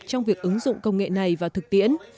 trong việc ứng dụng công nghệ này vào thực tiễn